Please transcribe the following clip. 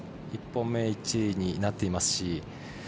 １本目、１位になっていますし。